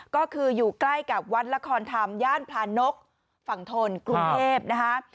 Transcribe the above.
ก็คืออยู่ใกล้กับวัดละครธรรมย่านพลานกฝั่งทนกรุงเทพนะคะ